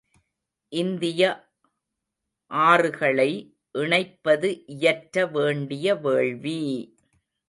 இந்திய ஆறுகளை இணைப்பது இயற்ற வேண்டிய வேள்வி!